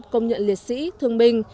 công nhận liệt sĩ thương binh